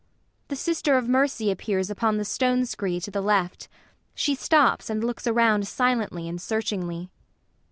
[The SISTER OF MERCY appears upon the stone scree to the left. She stops and looks around silently and searchingly.